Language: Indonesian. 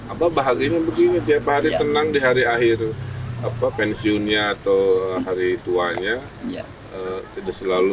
abah bahagia begini tiap hari tenang di hari akhir pensiunnya atau hari tuanya